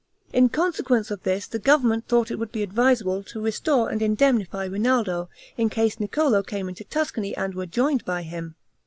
In consequence of this, the government thought it would be advisable to restore and indemnify Rinaldo, in case Niccolo came into Tuscany and were joined by him.